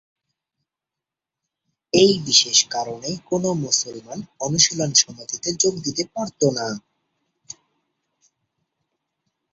এ বিশেষ কারণেই কোনো মুসলমান অনুশীলন সমিতিতে যোগ দিতে পারত না।